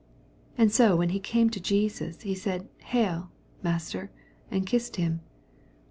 And so, when he came to Jesus, he said, " Hail 1 master, and kissed him."